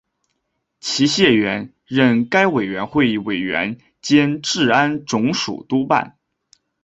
齐燮元任该委员会委员兼治安总署督办。